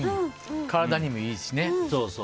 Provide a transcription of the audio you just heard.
体にもいいしね。